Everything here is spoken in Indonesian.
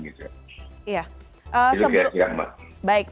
itu dia siang pak